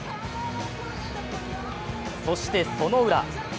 そしてそのウラ